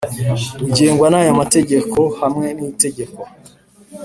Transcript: Ugengwa n aya mageteko hamwe n itegeko